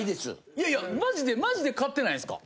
いやいやマジで買ってないんですか？